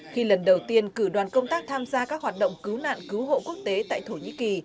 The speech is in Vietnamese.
khi lần đầu tiên cử đoàn công tác tham gia các hoạt động cứu nạn cứu hộ quốc tế tại thổ nhĩ kỳ